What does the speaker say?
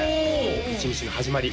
一日の始まり